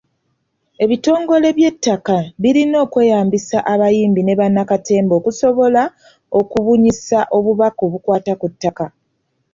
Ebitongole by'ettaka birina okweyambisa abayimbi ne bannakatemba okusobola okubunyisa obubaka obukwata ku ttaka.